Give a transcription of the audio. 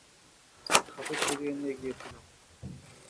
শপে ফিরিয়ে নিয়ে গিয়েছিলাম।